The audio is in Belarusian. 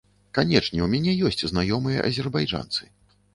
Канечне, у мяне ёсць знаёмыя азербайджанцы.